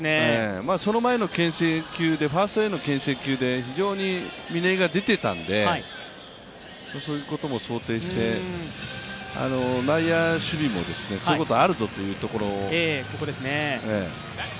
その前のファーストへの牽制球で非常に嶺井が出ていたんでそういうことも想定して、内野守備も、そういうことあるぞということ。